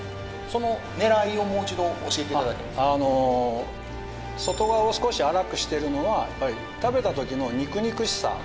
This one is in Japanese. その狙いをもう一度教えていただけますかあの外側を少し粗くしてるのは食べた時の肉肉しさ